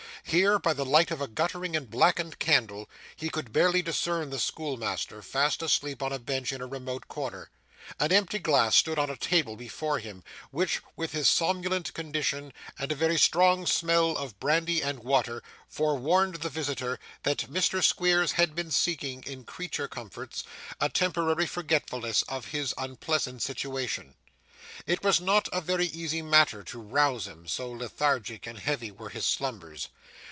Here, by the light of a guttering and blackened candle, he could barely discern the schoolmaster, fast asleep on a bench in a remote corner. An empty glass stood on a table before him, which, with his somnolent condition and a very strong smell of brandy and water, forewarned the visitor that Mr. Squeers had been seeking, in creature comforts, a temporary forgetfulness of his unpleasant situation. It was not a very easy matter to rouse him: so lethargic and heavy were his slumbers.